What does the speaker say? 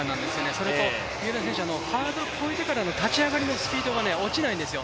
それと、三浦選手、ハードルを越えてからの立ち上がりのスピードが落ちないんですよ。